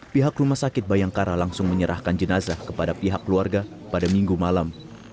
pihak rumah sakit bayangkara langsung menyerahkan jenazah kepada pihak keluarga pada minggu malam